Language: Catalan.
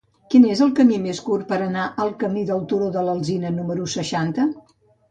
Quin és el camí més curt per anar al camí del Turó de l'Alzina número seixanta?